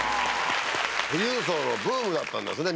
富裕層のブームだったんですね